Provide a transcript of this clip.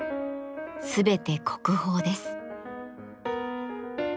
全て国宝です。